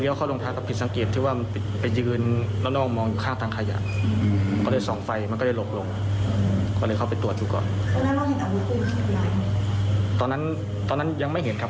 อีกเพื่อนก็จะประคองปืนมือไปเพื่อตอนนั้นยังไม่แน่ใจ